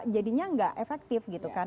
jadinya nggak efektif gitu kan